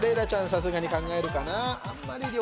さすがに考えるかな。